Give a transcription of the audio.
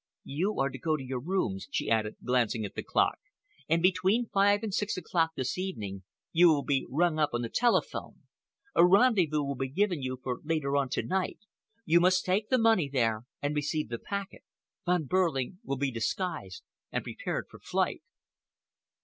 You are to go to your rooms," she added, glancing at the clock, "and between five and six o'clock this evening you will be rung up on the telephone. A rendezvous will be given you for later on to night. You must take the money there and receive the packet. Von Behrling will be disguised and prepared for flight."